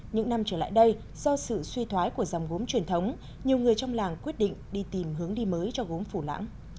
những năm trở lại đây do sự suy thoái của dòng gốm truyền thống nhiều người trong làng quyết định đi tìm hướng đi mới cho gốm phủ lãng